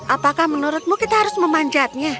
apakah menurutmu kita harus memanjatnya